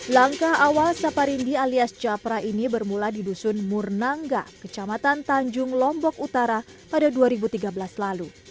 langkah awal saparindi alias capra ini bermula di dusun murnangga kecamatan tanjung lombok utara pada dua ribu tiga belas lalu